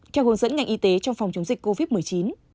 theo hướng dẫn ngành y tế trong phòng chống dịch covid một mươi chín